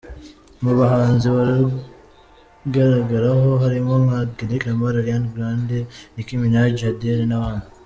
Mu bahanzi barugaragaraho harimo nka Kendrick Lamar, Ariana Grande, Nicki Minaj, Adele n’abandi.